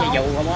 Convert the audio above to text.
đâu có xe nào